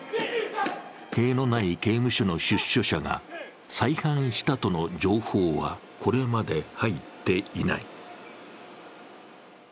塀のない刑務所の出所者が再犯したとの情報はこれまで入っていない。